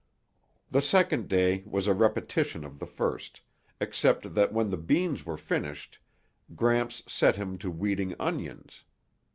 The second day was a repetition of the first, except that when the beans were finished, Gramps set him to weeding onions.